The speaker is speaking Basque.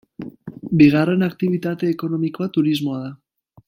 Bigarren aktibitate ekonomikoa turismoa da.